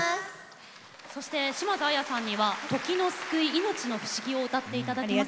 そして島津亜矢さんには「時の救い命の不思議」を歌って頂きます。